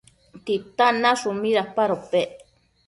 ¿Titan nashun midapadopec?